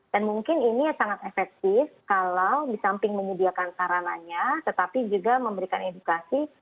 dan mungkin ini sangat efektif kalau di samping menyediakan saranannya tetapi juga memberikan edukasi